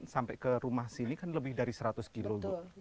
sampai ke rumah sini kan lebih dari seratus kilo bu